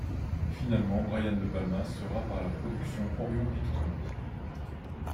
Finalement Brian De Palma sera par la production Orion Pictures.